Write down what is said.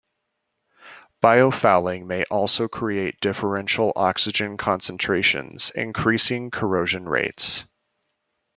Biofouling may also create differential oxygen concentrations increasing corrosion rates.